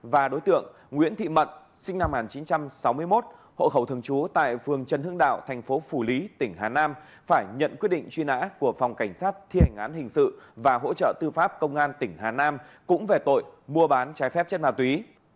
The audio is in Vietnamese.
và đối tượng nguyễn thị mận sinh năm một nghìn chín trăm sáu mươi một hộ khẩu thường trú tại phường trần hương đạo thành phố phủ lý tỉnh hà nam phải nhận quyết định truy nã của phòng cảnh sát thi hành án hình sự và hỗ trợ tư pháp công an tỉnh hà nam cũng về tội mua bán trái phép chất ma túy